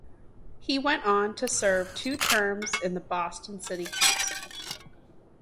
He went on to serve two terms in the Boston City Council.